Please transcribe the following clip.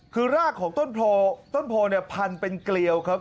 คือรากของต้นโพต้นโพเนี่ยพันเป็นเกลียวครับ